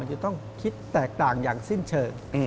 จะต้องคิดแตกต่างอย่างสิ้นเชิง